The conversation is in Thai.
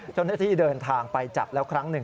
เจ้าหน้าที่เดินทางไปจับแล้วครั้งหนึ่ง